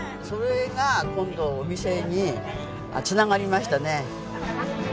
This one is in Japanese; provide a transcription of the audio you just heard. それが今度お店に繋がりましたね。